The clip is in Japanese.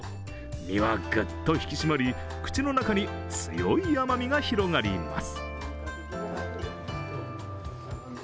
身はぐっと引き締まり、口の中に強い甘みが広がります。